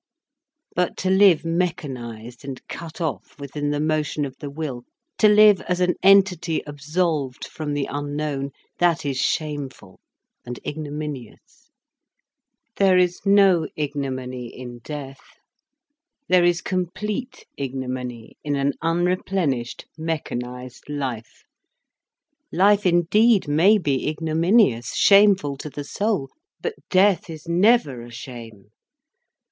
But to live mechanised and cut off within the motion of the will, to live as an entity absolved from the unknown, that is shameful and ignominious. There is no ignominy in death. There is complete ignominy in an unreplenished, mechanised life. Life indeed may be ignominious, shameful to the soul. But death is never a shame.